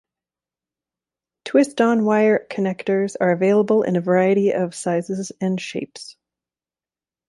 Twist-on wire connectors are available in a variety of sizes and shapes.